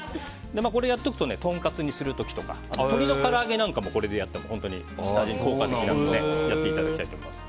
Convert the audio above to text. これをやっておくとトンカツにする時とか鶏のから揚げなんかもこれでやっても効果的なのでやっていただきたいと思います。